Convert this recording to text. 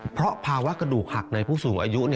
เพราะภาวะกระดูกหักในผู้สูงอายุ